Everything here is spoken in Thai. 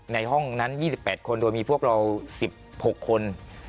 ในห้องนั้น๒๘คนโดยมีพวกเรา๑๖คน